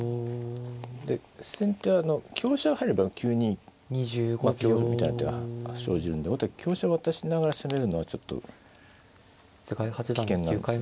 で先手は香車が入れば９二香みたいな手は生じるんで後手香車渡しながら攻めるのはちょっと危険なんですね。